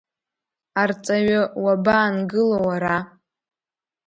Арҵаҩы, уабаангыло Уара?